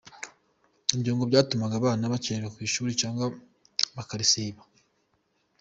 Ibyo ngo byatumaga abana bakerererwa ishuri cyangwa bakarisiba.